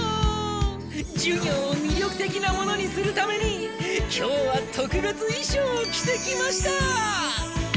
授業を魅力的なものにするために今日はとくべついしょうを着てきました！